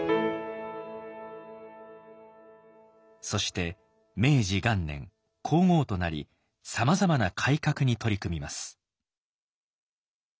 そして明治元年皇后となりさまざまな改革に取り組みます。